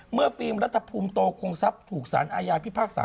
ฟิล์มรัฐภูมิโตคงทรัพย์ถูกสารอาญาพิพากษา